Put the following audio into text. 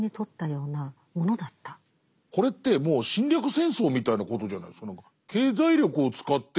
これってもう侵略戦争みたいなことじゃないですか。